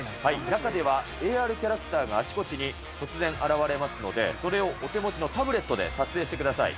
中ではＡＲキャラクターがあちこちに突然現れますので、それをお手持ちのタブレットで撮影してください。